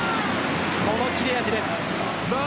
この切れ味です。